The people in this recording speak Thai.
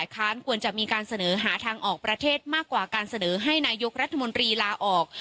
ค้านควรจะมีการเสนอหาทางออกประเทศมากกว่าการเสนอให้นายกรัฐมนตรีลาออก